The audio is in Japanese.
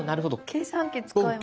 計算機使います。